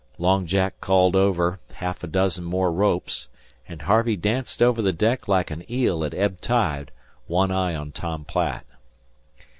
Long Jack called over half a dozen ropes, and Harvey danced over the deck like an eel at ebb tide, one eye on Tom Platt.